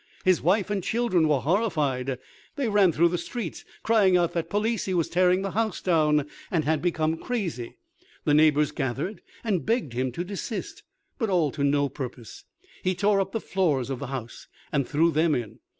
His wife and children were horrified. They ran through the streets, crying out that Palissy was tearing the house down, and had become crazy. The neighbors gathered, and begged him to desist, but all to no purpose. He tore up the floors of the house, and threw them in.